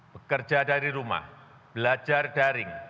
bekerja dari rumah belajar daring